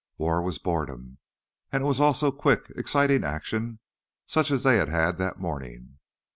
War was boredom, and it was also quick, exciting action such as they had had that morning.